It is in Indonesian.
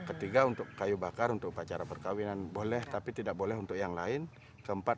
ketiga untuk kayu bakar untuk upacara perkawinan boleh tapi tidak boleh untuk yang lain keempat